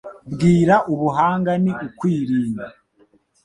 Bwira ubuhanga ni ukwirinda;